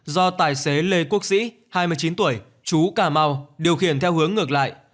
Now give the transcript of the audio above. do tài xế lê quốc sĩ hai mươi chín tuổi chú cà mau điều khiển theo hướng ngược lại